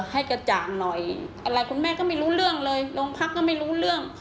ให้กระจ่างหน่อยอะไรคุณแม่ก็ไม่รู้เรื่องเลยโรงพักก็ไม่รู้เรื่อง